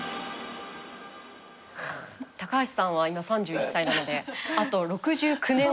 高橋さんは今３１歳なのであと６９年。